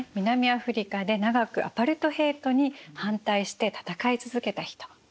南アフリカで長くアパルトヘイトに反対して戦い続けた人。